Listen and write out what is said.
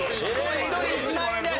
１人１万円です。